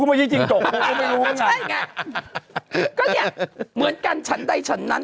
ก็เนี่ยเหมือนกันฉันได้ฉันนั้น